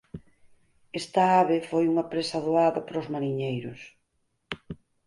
Esta ave foi unha presa doada para os mariñeiros.